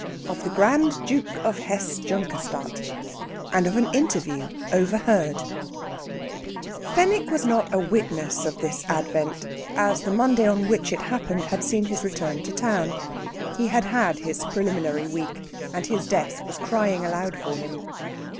OF THE GRAND DUKE OF HESSE JUNKERSTADT. AND OF AN INTERVIEW OVERHEARD Fenwick was not a witness of this advent, as the Monday on which it happened had seen his return to town. He had had his preliminary week, and his desk was crying aloud for him.